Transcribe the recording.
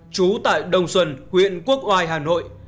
trú tại đồng xuân huyện quốc oai hà nội